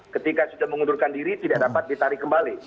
ketika sudah mengundurkan diri tidak dapat ditarik kembali